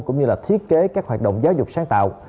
cũng như là thiết kế các hoạt động giáo dục sáng tạo